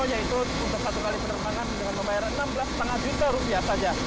yaitu untuk satu kali penerbangan dengan membayar enam belas lima juta rupiah saja